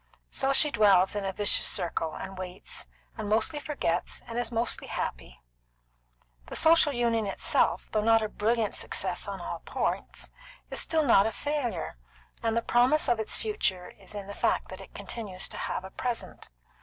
So she dwells in a vicious circle, and waits, and mostly forgets, and is mostly happy. The Social Union itself, though not a brilliant success in all points, is still not a failure; and the promise of its future is in the fact that it continues to have a present.